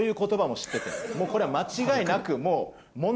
これは間違いなくもう。